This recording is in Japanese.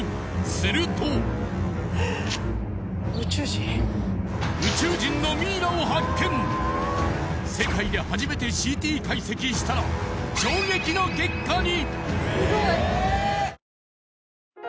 するとを発見世界で初めてＣＴ解析したら衝撃の結果に！